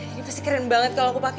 ini pasti keren banget kalo aku pake